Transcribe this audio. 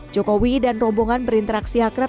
jokowi dan rombongan berinteraksi akrab